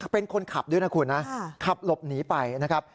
เป็นคนขับด้วยนะคุณนะขับหลบหนีไปนะครับ